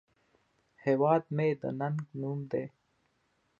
هیواد مې د ننگ نوم دی